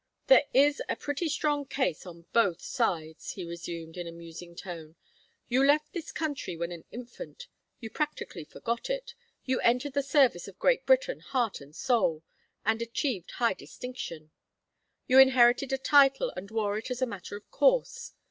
"There is a pretty strong case on both sides," he resumed, in a musing tone. "You left this country when an infant, you practically forgot it, you entered the service of Great Britain heart and soul, and achieved high distinction. You inherited a title and wore it as a matter of course.